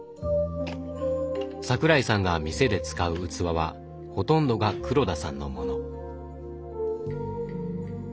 桜井さんが店で使う器はほとんどが黒田さんのもの。